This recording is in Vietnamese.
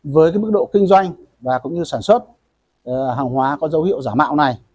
với mức độ kinh doanh và sản xuất hàng hóa có dấu hiệu giả mạo này